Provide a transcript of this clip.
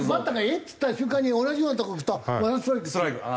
っつった瞬間に同じようなとこいくとまたストライクって言うから。